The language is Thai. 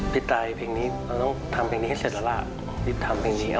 ปิดต่ายเพลงนี้เราต้องทำเพลงนี้ให้เสร็จแล้วล่ะ